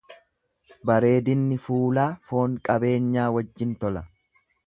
Bareedinni fuulaa foon qabeenya wajjin tola.